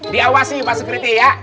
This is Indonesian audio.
diawasi pak sekreti ya